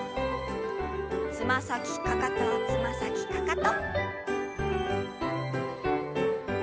つま先かかとつま先かかと。